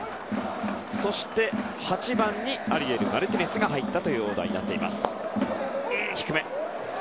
そして、８番にアリエル・マルティネスが入ったというオーダーになっています。